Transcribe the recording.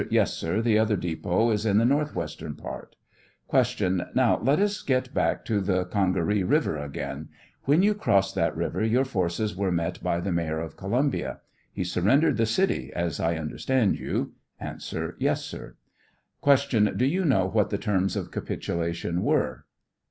Yes, sir ; the other depot is in the northwestern part. Q. Now, let us get back to the Congaree river again ; when you crossed that river your forces were met by the mayor of Columbia ; he surrendered the city, as I understand you ? A. Yes, sir. Q. Do you know what the terms of capitulation were